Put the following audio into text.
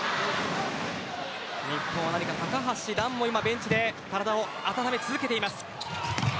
日本は高橋藍もベンチで体を温め続けています。